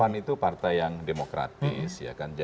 pan itu partai yang demokratis